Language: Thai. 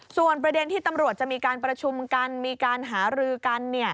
ส่วนประเด็นที่ตำรวจจะมีการประชุมกันมีการหารือกัน